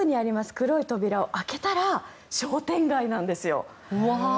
黒い扉を開けたら商店街なんですよ。